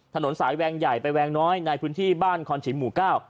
ถนนสายแวงใหญ่ไปแวงน้อยในพื้นที่บ้านคอนฉิมหมู่เก้า